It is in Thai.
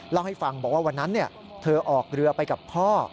เล่าให้ฟังบอกว่าวันนั้นเธอออกเรือไปกับพ่อ